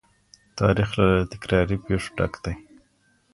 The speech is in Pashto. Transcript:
تاريخ له تکراري پېښو ډک دی.